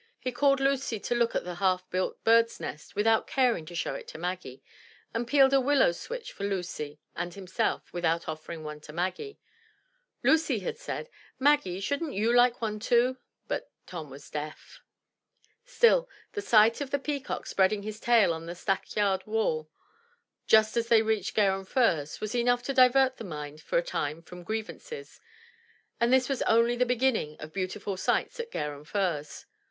He called Lucy to look at the half built bird's nest, without caring to show it to Maggie, and peeled a willow switch for Lucy and himself, without offering one to Maggie. Lucy had said, "Maggie, shouldn't you like one?" But Tom was deaf. Still, the sight of the peacock spreading his tail on the stack yard wall, just as they reached Garum Firs, was enough to divert the mind for a time from grievances. And this was only the beginning of beautiful sights at Garum Firs.